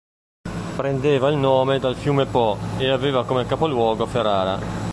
Prendeva il nome dal fiume Po e aveva come capoluogo Ferrara.